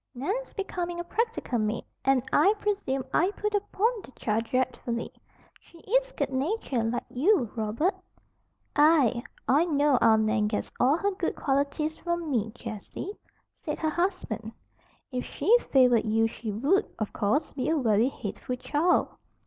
"Nan is becoming a practical maid, and I presume I put upon the child dreadfully, she is good natured, like you, Robert." "Aye, I know our Nan gets all her good qualities from me, Jessie," said her husband. "If she favored you she would, of course, be a very hateful child."